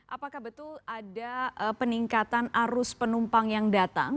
apakah betul ada peningkatan arus penumpang yang datang